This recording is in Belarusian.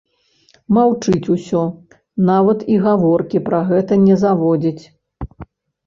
Маўчыць усё, нават і гаворкі пра гэта не заводзіць.